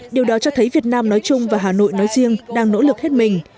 điều đó cho thấy việt nam nói chung và hà nội nói riêng đang nỗ lực hết mình